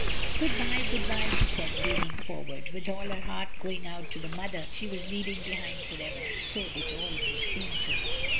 "Good bye, good bye," she said, leaning forward, with all her heart going out to the mother she was leaving behind for ever — so it almost seemed to her.